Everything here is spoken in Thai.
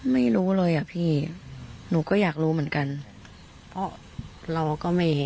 ไม่รู้เลยอ่ะพี่หนูก็อยากรู้เหมือนกันเพราะเราก็ไม่